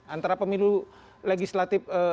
antara pemilu legislatif